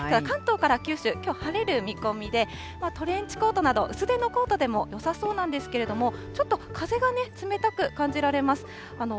関東から九州、きょう晴れる見込みで、トレンチコートなど、薄手のコートでもよさそうなんですけれども、ちょっと風がね、冷たく感じられます。